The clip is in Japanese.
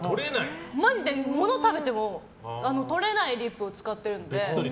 マジで、ものを食べてもとれないリップを使ってるので。